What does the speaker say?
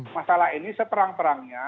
masalah ini seterang terangnya